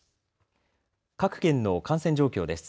各県の感染状況です。